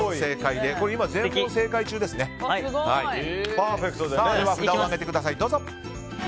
では札を上げてください。